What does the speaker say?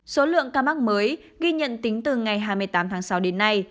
số lượng ca mắc mới ghi nhận tính từ ngày hai mươi tám tháng sáu đến nay